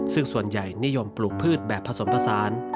ซึ่งส่วนใหญ่นิยมปลูกพืชแบบผสมผสาน